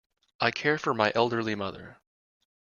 I care for my elderly mother.